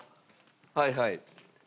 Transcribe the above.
はいはい。